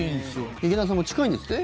劇団さんも近いんですって？